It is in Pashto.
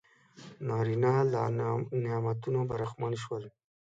نارینه له نعمتونو برخمن شول.